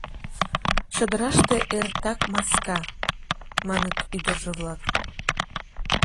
Чодыраште эртак маска, — маныт ӱдыржӧ-влак.